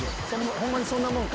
ホンマにそんなもんか？